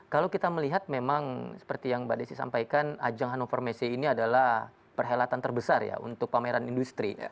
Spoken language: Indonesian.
kalau kita melihat memang seperti yang mbak desi sampaikan ajang hannover messe ini adalah perhelatan terbesar ya untuk pameran industri